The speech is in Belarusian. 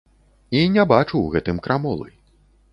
І не бачу ў гэтым крамолы.